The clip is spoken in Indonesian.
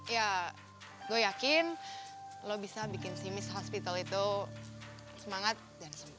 ya gue yakin lo bisa bikin si miss hospital itu semangat dan sembuh